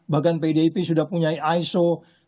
bahkan pdip sudah punya iso